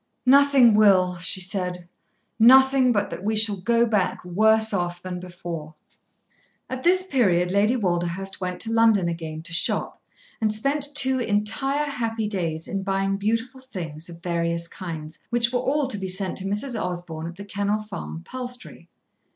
"Nothing will," she said; "nothing but that we shall go back worse off than before." At this period Lady Walderhurst went to London again to shop, and spent two entire happy days in buying beautiful things of various kinds, which were all to be sent to Mrs. Osborn at The Kennel Farm, Palstrey.